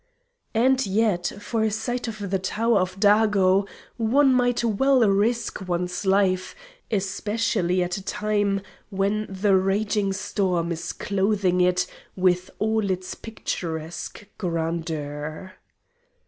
And yet, for a sight of the Tower of Dago one might well risk one's life, especially at a time when the raging storm is clothing it with all its picturesque grandeur.